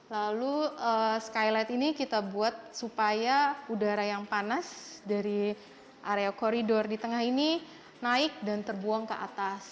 lalu skylight ini kita buat supaya udara yang panas dari area koridor di tengah ini naik dan terbuang ke atas